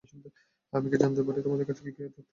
আমি কী জানতে পারি তোমার কাছে সে কী কী তথ্য চেয়েছিল?